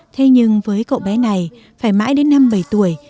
thế nhưng với cậu bé này phải mãi đến năm bảy tuổi